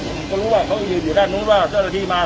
ผมก็รู้ว่าเขายืนอยู่ด้านนู้นว่าเจ้าหน้าที่มา